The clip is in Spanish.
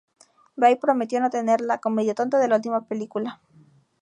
Bay prometió no tener la ""comedia tonta"" de la última película.